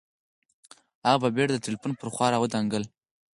هغه په بېړه د ټلیفون پر خوا را ودانګل